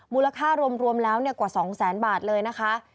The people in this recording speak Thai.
มูลค่ารวมแล้วกว่า๒แสนบาทเลยนะคะ